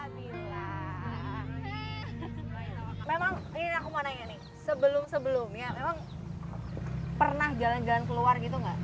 memang ini aku mau nanya nih sebelum sebelumnya memang pernah jalan jalan keluar gitu gak